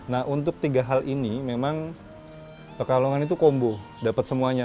nah untuk tiga hal ini memang pekalongan itu kombo dapat semuanya